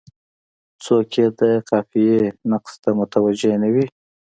څوک یې د قافیې نقص ته متوجه نه دي.